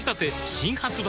新発売